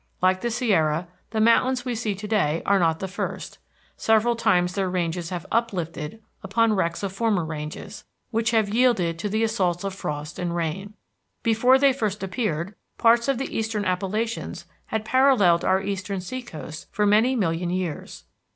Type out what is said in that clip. Like the Sierra, the mountains we see to day are not the first; several times their ranges have uplifted upon wrecks of former ranges, which had yielded to the assaults of frost and rain. Before they first appeared, parts of the Eastern Appalachians had paralleled our eastern sea coast for many million years.